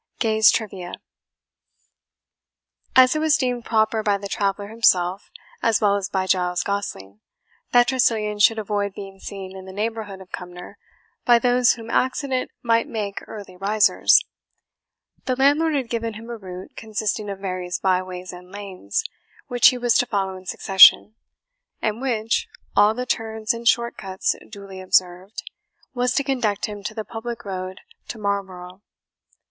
GAY'S TRIVIA. As it was deemed proper by the traveller himself, as well as by Giles Gosling, that Tressilian should avoid being seen in the neighbourhood of Cumnor by those whom accident might make early risers, the landlord had given him a route, consisting of various byways and lanes, which he was to follow in succession, and which, all the turns and short cuts duly observed, was to conduct him to the public road to Marlborough.